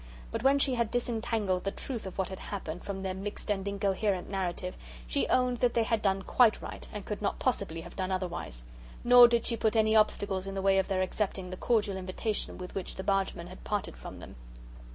But when she had disentangled the truth of what had happened from their mixed and incoherent narrative, she owned that they had done quite right, and could not possibly have done otherwise. Nor did she put any obstacles in the way of their accepting the cordial invitation with which the bargeman had parted from them.